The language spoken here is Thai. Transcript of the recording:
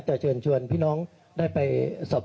คุณคิดว่าที่สิ่งที่ไหนครับ